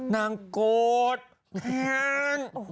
นางโกรธแค้น